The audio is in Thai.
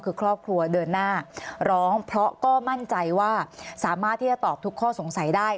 คือครอบครัวเดินหน้าร้องเพราะก็มั่นใจว่าสามารถที่จะตอบทุกข้อสงสัยได้